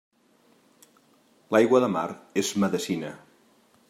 L'aigua de mar és medecina.